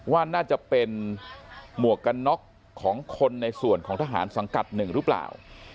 ว่าน่าจะเป็นหมวกกันน็อกของคนในส่วนของทหารสังกัดหนึ่งหรือเปล่า